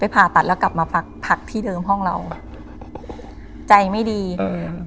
ผ่าตัดแล้วกลับมาพักพักที่เดิมห้องเราใจไม่ดีอืม